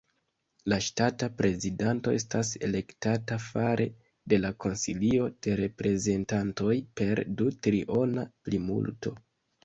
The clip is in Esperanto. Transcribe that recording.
La ŝtata prezidanto estas elektata fare de la Konsilio de Reprezentantoj per du-triona plimulto.